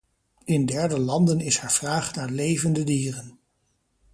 In derde landen is er vraag naar levende dieren.